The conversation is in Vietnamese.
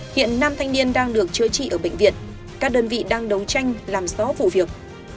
hiện nam thanh niên đang được chữa trị ở bệnh viện các đơn vị đang đấu tranh làm rõ vụ việc